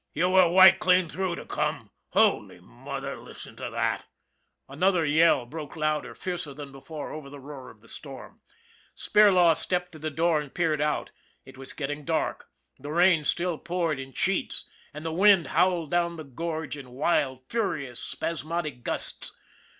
You were white clean through to come Holy Mother, listen to that !" another yell broke louder, fiercer than before over the roar of the storm. Spirlaw stepped to the door and peered out. It was already getting dark. The rain still poured in sheets, and the wind howled down the gorge in wild, furious, spasmodic gusts.